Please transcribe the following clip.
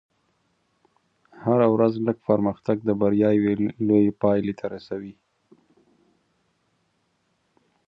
هره ورځ لږ پرمختګ د بریا یوې لوېې پایلې ته رسوي.